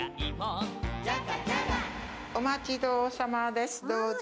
お待ちどおさまです、どうぞ。